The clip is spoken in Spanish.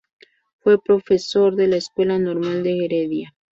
Fue profesor de la Escuela Normal de Heredia.